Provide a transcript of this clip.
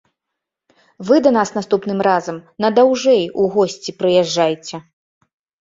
Вы да нас наступным разам на даўжэй у госці прыязджайце.